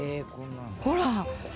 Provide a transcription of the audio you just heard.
ほら！